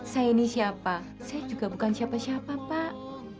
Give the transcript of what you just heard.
saya ini siapa saya juga bukan siapa siapa pak